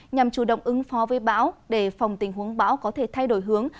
nhằm chủ động ứng phó với bão để phòng tình huống bão có thể thay đổi hướng